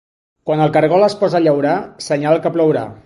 Quan el caragol es posa a llaurar, senyal que plourà.